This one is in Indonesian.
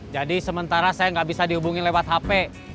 jadi sementara saya gak bisa dihubungin lewat hp